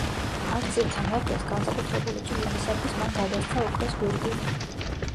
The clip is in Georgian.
არწივთა მეფეს, განსაკუთრებული წვლილისათვის მან გადასცა ოქროს გვირგვინი.